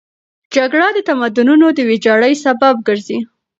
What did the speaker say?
جګړه د تمدنونو د ویجاړۍ سبب ګرځي.